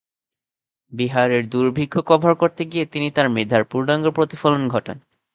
বিহারের দুর্ভিক্ষ কভার করতে গিয়ে তিনি তার মেধার পূর্নাঙ্গ প্রতিফলন ঘটান।